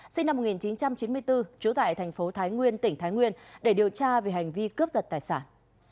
sinh năm một nghìn chín trăm chín mươi bốn trú tại thành phố thái nguyên tỉnh thái nguyên để điều tra về hành vi cướp giật tài sản